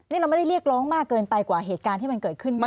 นี่เราไม่ได้เรียกร้องมากเกินไปกว่าเหตุการณ์ที่มันเกิดขึ้นมาก